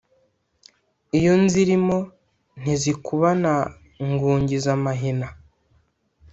Iyo nzilimo ntizikubana ngungiza amahina.